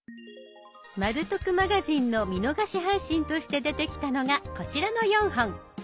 「まる得マガジン」の見逃し配信として出てきたのがこちらの４本。